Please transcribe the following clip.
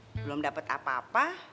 belum dapet apa apa